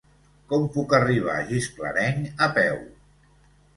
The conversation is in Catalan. Com puc arribar a Gisclareny a peu?